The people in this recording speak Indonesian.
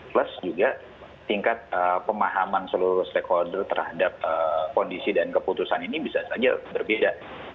plus juga tingkat pemahaman seluruh stakeholder terhadap kondisi dan keputusan ini bisa saja berbeda